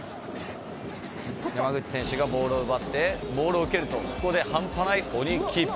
山口選手がボールを奪ってボールを蹴るとここで半端ない鬼キープ。